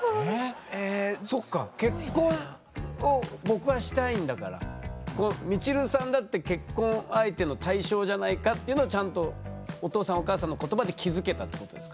そっか「結婚を僕はしたいんだからみちるさんだって結婚相手の対象じゃないか」っていうのはちゃんとお父さんお母さんの言葉で気付けたってことですか？